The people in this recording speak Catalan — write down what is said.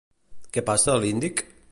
Què passa a l'Índic?